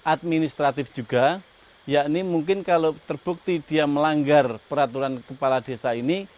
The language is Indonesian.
administratif juga yakni mungkin kalau terbukti dia melanggar peraturan kepala desa ini